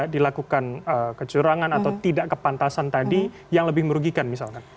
dilakukan kecurangan atau tidak kepantasan tadi yang lebih merugikan misalkan